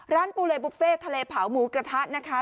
ร้านปูเลยบุฟเฟต์ทะเลเผาหมูกระทะ